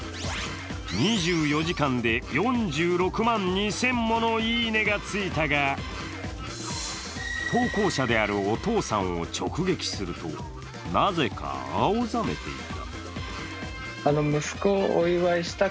２４時間で４６万２０００ものいいねがついたが投稿者であるお父さんを直撃すると、なぜか青ざめていた。